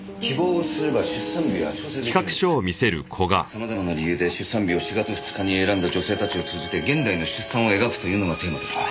様々な理由で出産日を４月２日に選んだ女性たちを通じて現代の出産を描くというのがテーマですかね。